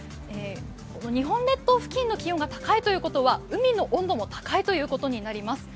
日本列島付近の気温が高いということは海の温度も高いということになります。